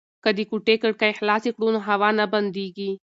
که د کوټې کړکۍ خلاصې کړو نو هوا نه بندیږي.